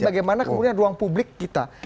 bagaimana kemudian ruang publik kita